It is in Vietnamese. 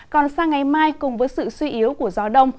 còn sang ngày mai cùng với sự suy yếu của gió đông